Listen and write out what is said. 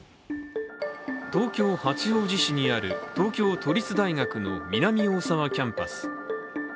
東京・八王子市にある、東京都立大学の南大沢キャンパス。